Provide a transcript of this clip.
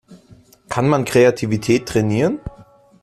Kann man Kreativität trainieren?